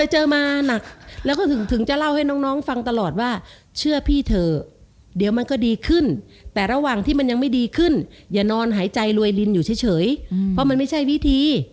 เจอมาหนักแล้วก็ถึงจะเล่าให้น้องฟังตลอดว่าเชื่อพี่เถอะเดี๋ยวมันก็ดีขึ้นแต่ระหว่างที่มันยังไม่ดีขึ้นอย่านอนหายใจรวยลินอยู่เฉยเพราะมันไม่ใช่วิธี